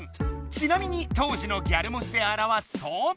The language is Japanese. ちなみに当時のギャル文字であらわすと？